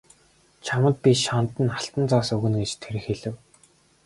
Чамд би шанд нь алтан зоос өгнө гэж тэр хэлэв.